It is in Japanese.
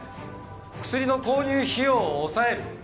薬の購入費用を抑える。